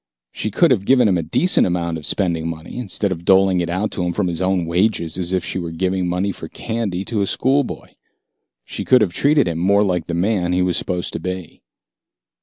She could have given him a decent amount of spending money, instead of doling it out to him from his own wages as if she were giving money for candy to a schoolboy. She could have treated him more like the man he was supposed to be.